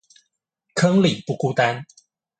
坑裡不孤單